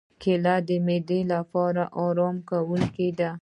کېله د معدې لپاره آراموونکې ده.